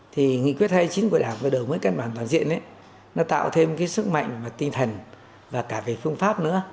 thì nghị quyết hay chính của đảng và đổi mối căn bản toàn diện tạo thêm sức mạnh và tinh thần và cả về phương pháp nữa